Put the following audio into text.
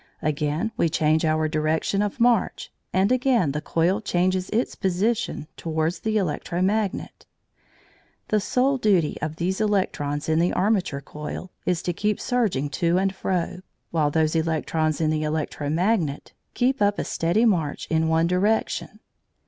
Again we change our direction of march, and again the coil changes its position towards the electro magnet. The sole duty of these electrons in the armature coil is to keep surging to and fro, while those electrons in the electro magnet keep up a steady march in one direction.